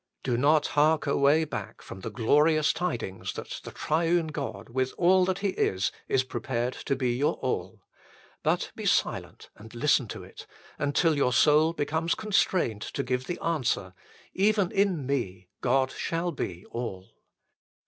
Do not hark away back from the glorious tidings that the Triune God, with all that He is, is prepared to be your All ; but be silent and listen to it, until your soul becomes constrained to give the answer, "Even in me God shall be all."